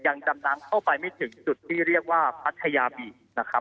อ่างจำน้ำเข้าไปไม่ถึงตุชุดที่เรียกว่าโบราโหกที่ผัทไทยาเบี